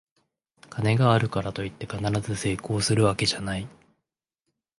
金があるからといって必ず成功するわけじゃない